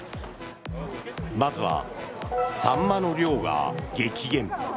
まずは、サンマの量が激減。